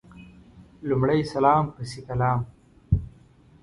لمړی سلام پسي کلام